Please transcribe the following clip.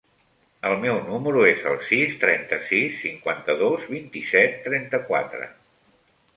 El meu número es el sis, trenta-sis, cinquanta-dos, vint-i-set, trenta-quatre.